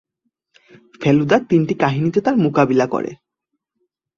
ফেলুদা তিনটি কাহিনীতে তার মোকাবিলা করে।